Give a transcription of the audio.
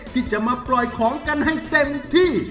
ที่จะมาปล่อยของกันให้เต็มที่